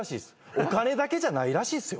お金だけじゃないらしいですよ。